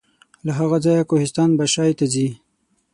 له هغه ځایه کوهستان بشای ته ځي.